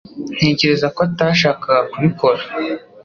Ntekereza ko atashakaga kubikora